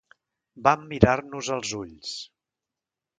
Vam mirar-nos als ulls.